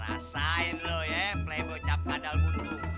rasain lu ya plebocap padal buntu